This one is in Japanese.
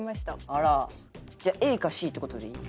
あら。じゃあＡかＣって事でいい？